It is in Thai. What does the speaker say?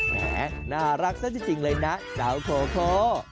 แหมน่ารักซะจริงเลยนะเจ้าโคโค